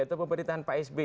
atau pemerintahan pak sby